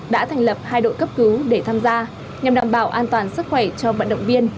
đã thành lập hai đội cấp cứu để tham gia nhằm đảm bảo an toàn sức khỏe cho vận động viên